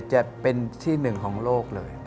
จะเป็นที่หนึ่งของโลกเลย